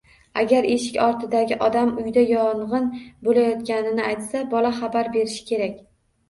Agar eshik ortidagi odam uyda yong‘in bo‘layotganligini aytsa bola xabar berishi kerak.